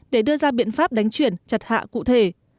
để đưa ra biện pháp đánh chuyển chặt hạ cụ thể